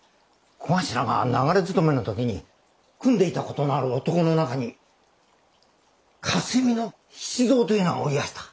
小頭が流れづとめの時に組んでいた事のある男の中に霞の七三というのがおりやした。